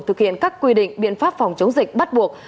thực hiện các quy định biện pháp phòng chống dịch bắt buộc